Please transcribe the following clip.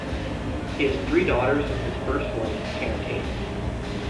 He has three daughters with his first wife Karin Tate.